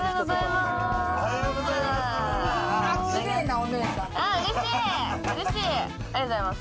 おはようございます。